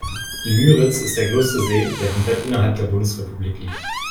Die Müritz ist der größte See, der komplett innerhalb der Bundesrepublik liegt.